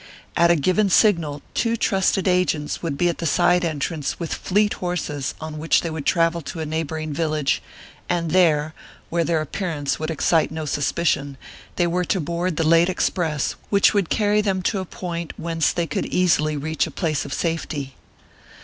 At a given signal two trusted agents would be at the side entrance with fleet horses on which they would travel to a neighboring village, and there, where their appearance would excite no suspicion, they were to board the late express, which would carry them to a point whence they could easily reach a place of safety.